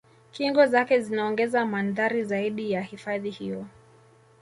Kingo zake zinaongeza mandhari zaidi ya hifadhi hiyo